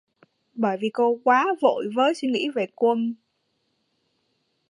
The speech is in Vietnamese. Bởi vì cô quá vội với suy nghĩ về quân